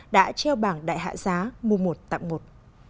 đã treo bảng đại hạ giá mua một tặng một